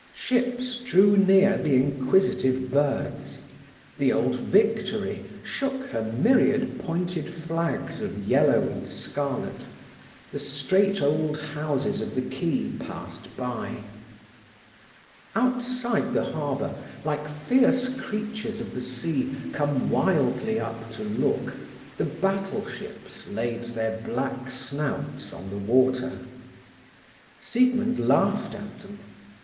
Ships drew near the inquisitive birds; the old Victory shook her myriad pointed flags of yellow and scarlet; the straight old houses of the quay passed by. Outside the harbour, like fierce creatures of the sea come wildly up to look, the battleships laid their black snouts on the water. Siegmund laughed at them.